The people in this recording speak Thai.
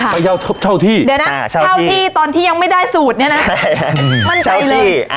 ไปเช่าที่เดี๋ยวนะเช่าที่ตอนที่ยังไม่ได้สูตรเนี้ยนะใช่ฮะ